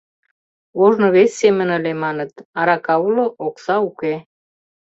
Ожно вес семын ыле, маныт: арака уло — окса уке.